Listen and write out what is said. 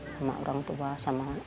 sama orang tua sama anak